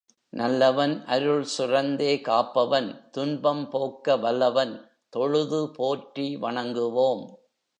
நல்லவன் அருள் சுரந்தே காப்பவன் துன்பம் போக்க வல்லவன் தொழுது போற்றி வணங்குவோம்.